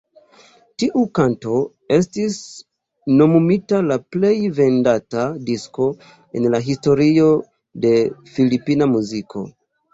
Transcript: Tiu kanto estis nomumita la plej vendata disko en la historio de filipina muziko.